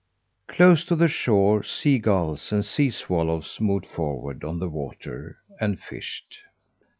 Close to the shore, sea gulls and sea swallows moved forward on the water and fished.